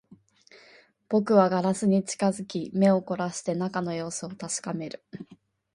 僕はガラスに近づき、目を凝らして中の様子を確かめる